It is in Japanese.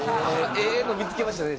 ええの見付けましたね。